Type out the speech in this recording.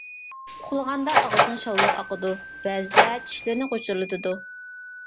ئۇخلىغاندا ئاغزىدىن شالۋاق ئاقىدۇ، بەزىدە چىشلىرىنى غۇچۇرلىتىدۇ.